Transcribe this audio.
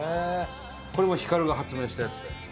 これも光が発明したやつで。